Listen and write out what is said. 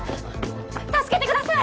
助けてください